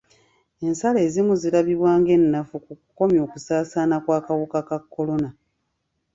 Ensalo ezimu zirabibwa ng'ennafu mu kukomya okusaasaana kw'akawuka ka kolona.